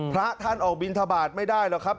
พระท่านออกบินทบาทไม่ได้หรอกครับ